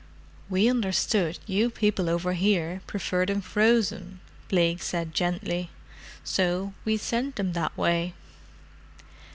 "We understood you people over here prefer them frozen," Blake said gently. "So we send 'em that way."